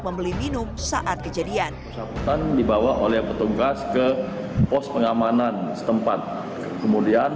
membeli minum saat kejadian bersangkutan dibawa oleh petugas ke pos pengamanan setempat kemudian